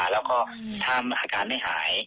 แล้วก็ถ้าอาการไม่หาย